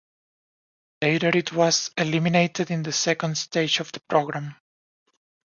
Later it was eliminated in the second stage of the program.